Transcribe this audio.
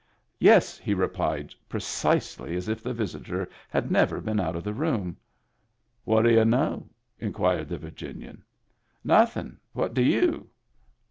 "Yes," he replied, precisely as if the visitor had never been out of the room. " What d' y'u know? " inquired the Virginian. " Nothing; what do you ?"" Nothing."